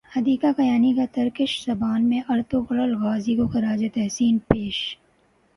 حدیقہ کیانی کا ترکش زبان میں ارطغرل غازی کو خراج تحسین پیش